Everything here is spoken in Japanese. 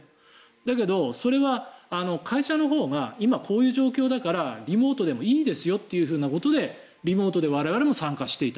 だけど、それは会社のほうが今、こういう状況だからリモートでもいいですよということで我々もリモートで参加していた。